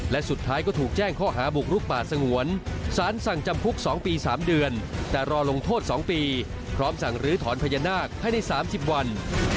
และสุดท้ายก็ถูกแจ้งข้อหาบุกลุกป่าสงวนสารสั่งจำคุก๒ปี๓เดือนแต่รอลงโทษ๒ปีพร้อมสั่งลื้อถอนพญานาคให้ใน๓๐วัน